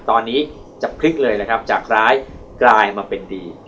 ตอนนี้จะพลิกเลยนะครับจากร้ายกลายมาเป็นดี